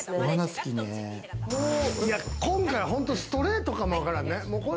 今回本当にストレートかもわからんね。